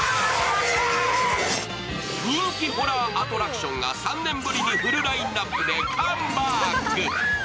人気ホラーアトラクションが３年ぶりにフルラインナップでカムバーック！